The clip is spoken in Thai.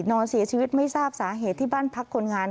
นอนเสียชีวิตไม่ทราบสาเหตุที่บ้านพักคนงาน